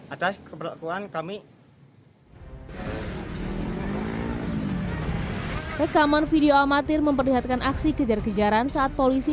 atas keperlakuan kami rekaman video amatir memperlihatkan aksi kejar kejaran saat polisi